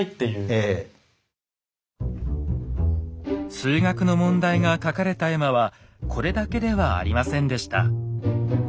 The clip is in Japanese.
数学の問題が書かれた絵馬はこれだけではありませんでした。